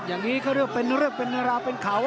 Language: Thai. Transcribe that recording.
อย่างนี้ก็เรียกเป็นเรือบเป็นราวเป็นเขา